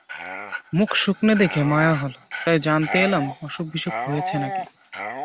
মুখ শুকনে দেখে মায়া হল, তাই জানতে এলাম অসুখবিসুখ হয়েছে না কি।